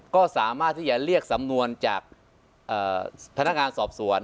ก็สามารถที่จะเรียกสำนวนจากพนักงานสอบสวน